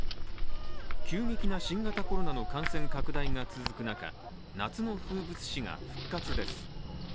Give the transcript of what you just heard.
急激な新型コロナの感染拡大が続く中、夏の風物詩が復活です。